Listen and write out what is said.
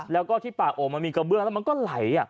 แล้วก็ที่ป่าโอ่งมันมีกระเบื้องแล้วมันก็ไหล